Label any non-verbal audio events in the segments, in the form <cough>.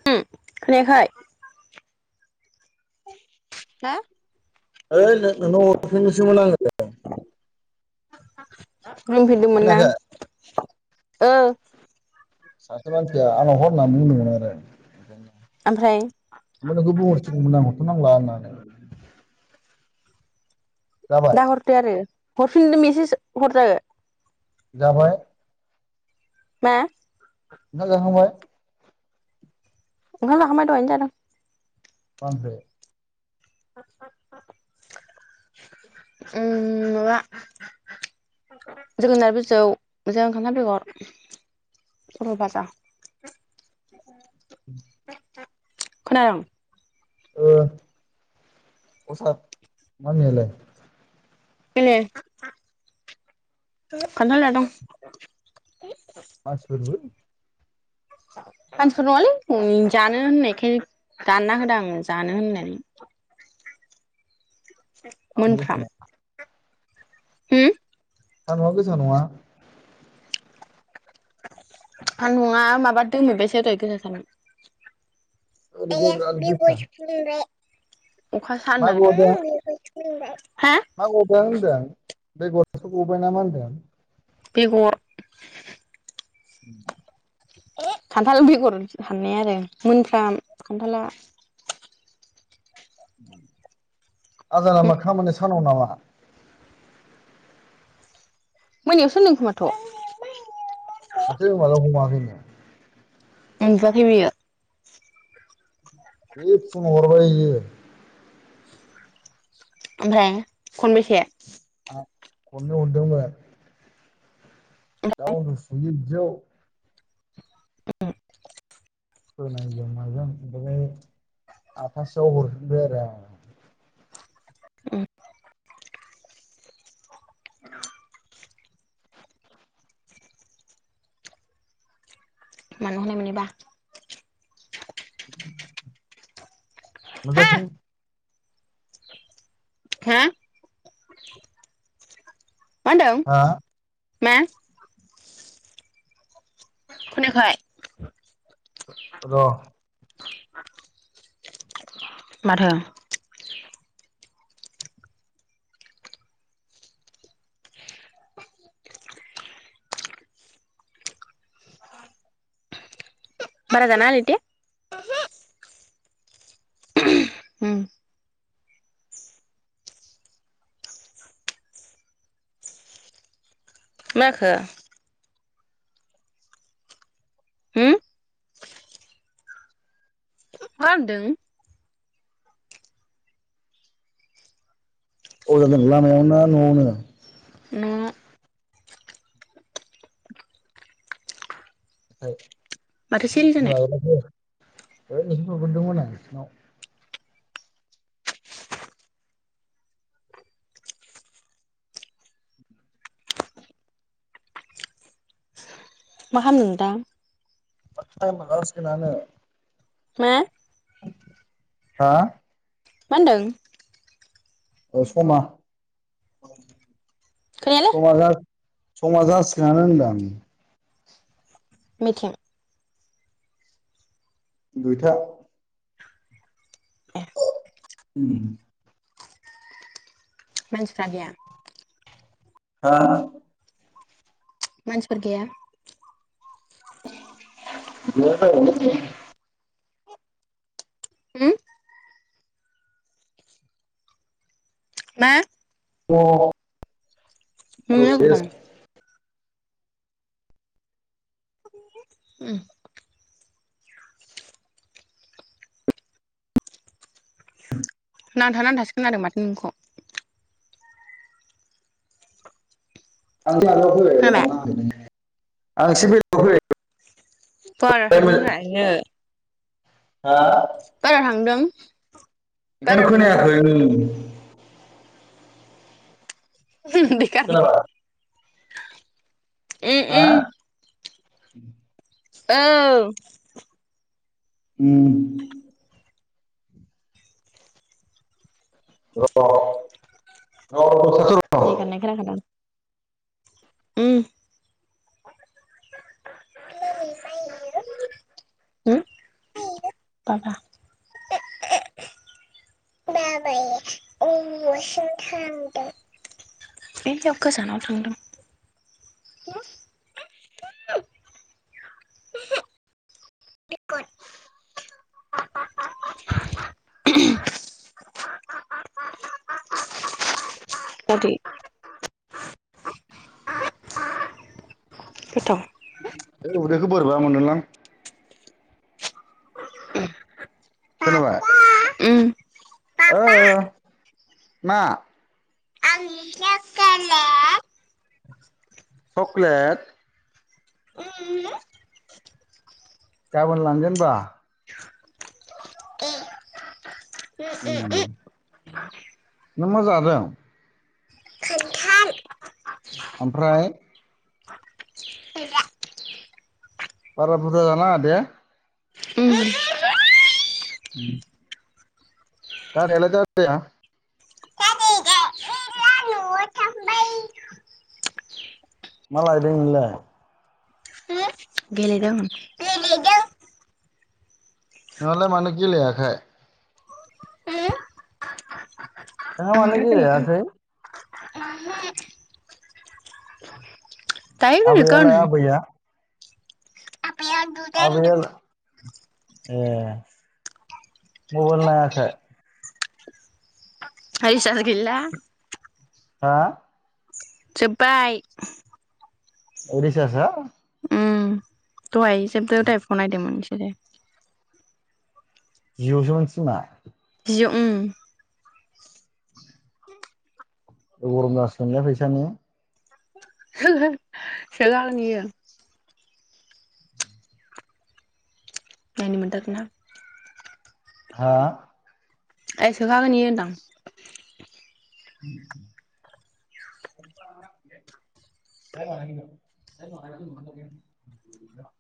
<unintelligible> खोनायाखै हा ओइ नों नोंनो हरफिननोसैमोन आङो <unintelligible> ना खोनायाखै ओ सासे मानसिया आंनाव हर होनना बुंदोंमोन आरो। ओमफ्राय ओमफ्राय नोंखौ बुंहरसिगौमोन आं हरथ' नांला होननानै जाबाय दा हरदो आरो हरफिनदो मेसेज हरदो। जाबाय मा ओंखाम जाखांबाय ओंखाम जाखांबाय दहायनो जादों। मा ओंख्रि ओम माबा जोगोनार बिजौ जों ओंखाम खामफ्रि हर <unintelligible> <inaudible> खोनादों ओ असाद मामियालाय ए खान्थाल जादं मानसिफोरबो मानसिफोर नंङालै जानो होननायखाय दानना होदों आं जानो होननाय साम' गोसा मोनफ्राम नङा होम सान्दुं आ गोसा नङा सान्दुंङा माबा दोमि बायसो दहाय गोसाथार मोन। ओरैजाय आया बिराद गोसा बिबयस अखासो हानो मा गदों नागिरदों मा गदों होनदों बेगरसो गबोबायना मा होनदों। बेगर <inaudible> खान्थाल बेगर हाननाया आरो मोनफ्राम खान्थाला आजारा मा खामानिया सानाव नामा। मोनायावसो होनदों खोमाथ' माथो होमबालाय गयाखै उन्दुखै बियो बे फुंआव हरबायो ओमफ्राय खनबेसे खन्नै हरदोंमोन दा उन्दुसोयो बिदियाव <inaudible> फोनांगदों माजों ओमफ्राय आठथासोआव हरफिनबाय आरो आं। अम मोननिबा मा हा जाखो हा मा मा होनदों हो मा खोनायाखै र माथा मारागाना हैदे। उम माखो होम मा मा होनदों? <inaudible> ना न'आवनो? न' माथो सिरि जानाय <unintelligible> मा खालामदों नोंथां? <unintelligible> हुम हा मा होनदों? औ समा गैयालै। समाजा समा जासिगोनानो होनदों। मिथिं दुइथा। ए उम। मानसिफ्रा गैया? हा मानसिफोर गैया? गैया रावबोआनो गैया। हुम मा? अ नोङो अबाव दं? उम नांथा नांथासो खोनादों माथो नोंनिखौ। खोनाबाय <unintelligible> फैबाय <unintelligible> हा? दहाय थांदों? बेखायनो बारा थांदों खोनायाखै हुम। खोनाबाय <unintelligible> हा? औ। हुम। <unintelligible> दै गाबनाय खोनाफैदों। उम। <unintelligible> <unintelligible> ओयाव गोजानाव थांदों। अदि गोथा उदैखौ बोरोयबा मोनदोंलां। खोनाबाय? <unintelligible> ओ बाबा मा? आंनि फिथा गेले चकलेट उम गाबोन लांगोनबा। ए उम उम उम नों मा जादों? खानथाल। ओमफ्राय? बारा बुरजा जानाङा दे। उम <inaudible> दादायालाय दादाया गैला नआव थांबाय। मा लायदों नोंलाय? गेलेदों। नोंलाय मानो गेलेयाखोय? नोंहा मानो गेलेयाखोय? ओहो दायो गेलेगोन आबैयालाय आबैया? आफाया उन्दुदों होनदों आबैया ए मबाइल नायाखै? हाय सआनो गैला। हा? जोब्बाय। रिसासा? उम दहाय जोबदो टाइपखौ फुङाव नायदोंमोन बिसोरो। जिय सोमोन सिमा। जिय उम <inaudible> गरम जासिगोनलाय फैसानि। हो हो। <unintelligible> नायनो मोनथाराखोयना। हा? आइ सोखागोननि होनदां। <inaudible> <unintelligible>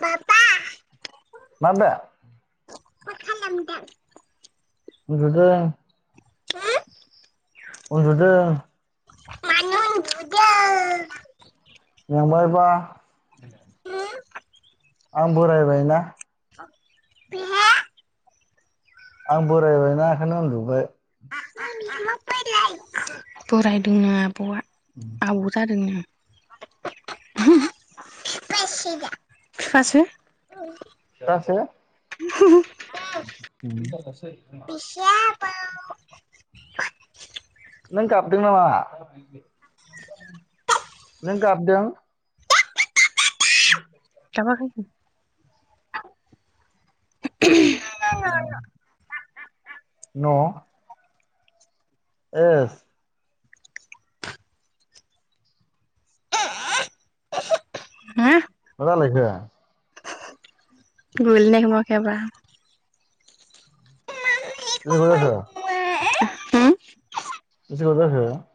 बाबा माबे मा खालामदों उनदुदों। उन्दुदों। मानो उन्दुदों? मेंबाय बा। आं बोरायबायना बेहा आं बोरायबायना बेखायनो उन्दुबाय। <unintelligible> बोरायदोंनो आब'आ। <inaudible> आबौ जादोंनो। बिफासो। फिफासो। <inaudible> माया नों गाबदों नामा नों गाबदों? <inaudible> गाबाखै होन। न'। येस। मा जालायखो। <unintelligible> <unintelligible> <unintelligible>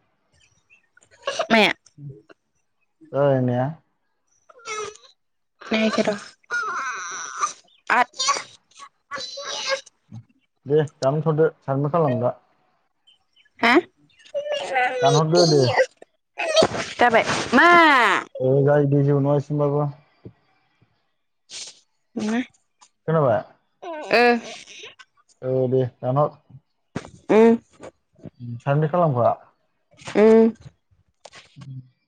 ओय होननाया <unintelligible> <unintelligible> दे दानथ'दो साबमिट खालाम दा हा दानहरदो दे। जाबाय मा? ओ जायोदे जेबो नङा‌ इसिमबाबो। उम। खोनाबाय? ओ। औ दे दानहर। उम साबमिट खालामखा। उम <inaudible>